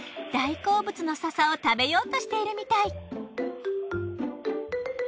大好物の笹を食べようとしているみたい。